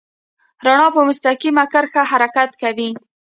رڼا په مستقیمه کرښه حرکت کوي.